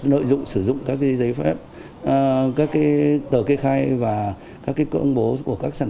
đó là nội dung sử dụng các cái giấy phép các cái tờ kê khai và các cái cơ ứng bố của các sản